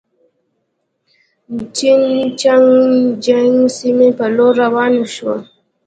جین چنګ جیانګ سیمې پر لور روان شوو.